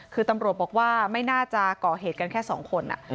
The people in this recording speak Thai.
คือตำรวจบอกว่าไม่น่าจะก่อเหตุกันแค่๒คน